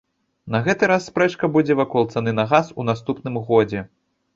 На гэты раз спрэчка будзе вакол цаны на газ у наступным годзе.